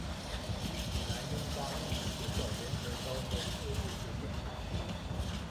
与济南樱花日语学校联合招收赴日学生。